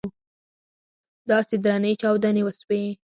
داسې درنې چاودنې وسوې.